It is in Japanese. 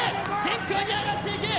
天空に上がっていく！